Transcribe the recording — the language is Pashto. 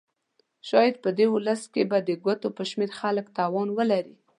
شاید په دې ولس کې به د ګوتو په شمېر خلک توان ولري.